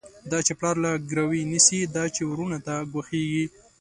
دا چی پلار له ګروی نيسی، دا چی وروڼو ته ګواښيږی